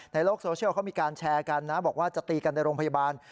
ในโลกโซเชียลเขามีการแชร์กันนะบอกว่าจะตีกันในโรงพยาบาล